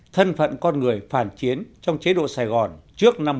thân phận con người phản chiến trong chế độ sài gòn trước năm một nghìn chín trăm năm mươi